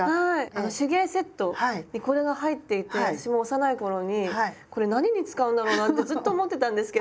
あの手芸セットにこれが入っていて私も幼い頃に「これ何に使うんだろうな」ってずっと思ってたんですけど。